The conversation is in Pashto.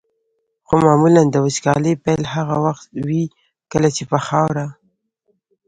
خو معمولا د وچکالۍ پیل هغه وخت وي کله چې په خاوره.